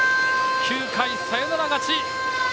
９回サヨナラ勝ち。